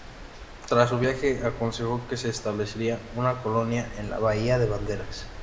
Tras su viaje aconsejó que se estableciera una colonia en la bahía de Banderas.